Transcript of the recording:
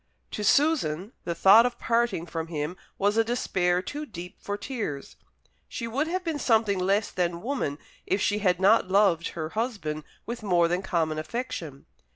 To Susan the thought of parting from him was a despair too deep for tears. She would have been something less than woman if she had not loved her husband with more than common affection.